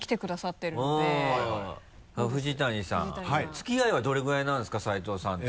付き合いはどれぐらいなんですか斉藤さんと。